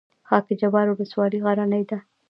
خاک جبار ولسوالۍ غرنۍ ده؟